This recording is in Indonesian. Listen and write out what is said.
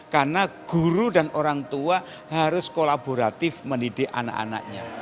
karena guru dan orang tua harus kolaboratif mendidik anak anaknya